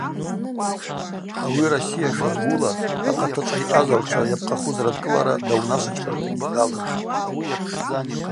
Ауи Россия шабгула ахъатачӏв айъазагӏвчва йапхъахуз радкӏылара даунашвачпагӏвтагьи далырхтӏ.